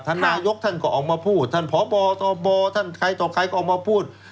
ท่านนายกท่านก็ออกมาพูดท่านพบตบท่านใครต่อใครก็ออกมาพูด